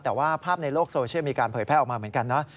แต่ว่าภาพในโลกโซเชียลมีการเผยแพร่ออกมาเหมือนกันนะ